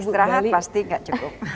istirahat pasti tidak cukup